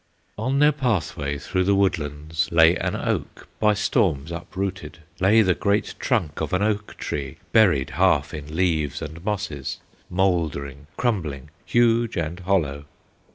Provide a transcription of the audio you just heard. "On their pathway through the woodlands Lay an oak, by storms uprooted, Lay the great trunk of an oak tree, Buried half in leaves and mosses, Mouldering, crumbling, huge and hollow.